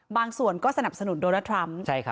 บางส่วนก็สนับสนุนโดนัลดทรัมป์